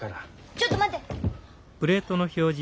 ちょっと待って！